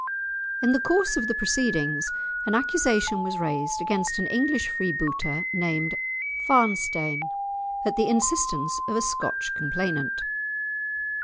In the course of the proceedings an accusation was raised against an English freebooter named Farnstein, at the instance of a Scotch complainant.